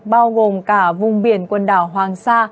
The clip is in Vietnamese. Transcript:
bao gồm cả vùng biển quần đảo hoàng sa